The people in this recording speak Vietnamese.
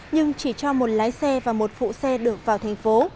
nhưng chỉ cho một lái xe và một phụ xe được vào thành phố